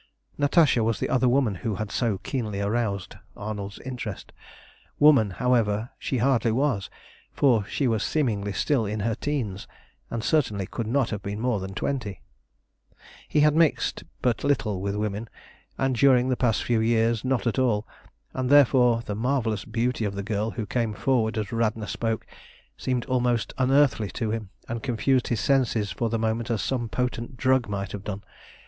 Natasha was the other woman who had so keenly roused Arnold's interest. Woman, however, she hardly was, for she was seemingly still in her teens, and certainly could not have been more than twenty. He had mixed but little with women, and during the past few years not at all, and therefore the marvellous beauty of the girl who came forward as Radna spoke seemed almost unearthly to him, and confused his senses for the moment as some potent drug might have done.